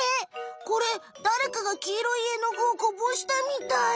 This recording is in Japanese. これだれかがきいろいえのぐをこぼしたみたい。